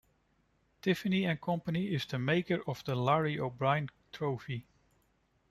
Tiffany and Company is the maker of the Larry O' Brien Trophy.